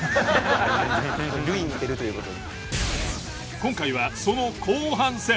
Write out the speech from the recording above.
今回はその後半戦。